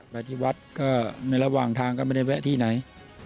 ไปที่วัดก็ในระหว่างทางก็ไม่ได้แวะที่ไหน